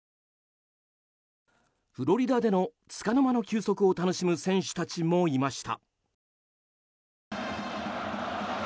フロリダでのつかの間の休息を楽しむ選手たちもいました。